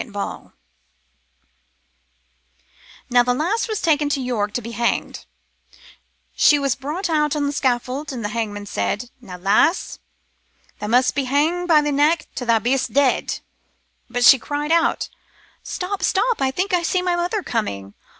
^]" Now t* lass was taken to York to be hanged ; she was brought out on t' scaffold, and t' hangman said, * Now, lass, tha' must hang by thy neck till tha' be'st dead/ But she cried out :* Stop, stop, I think I see my mother coming